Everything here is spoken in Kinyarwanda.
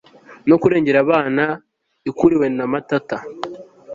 no kurengera abana ikuriwe na matata